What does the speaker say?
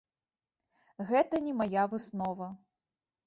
Гэта не мая выснова.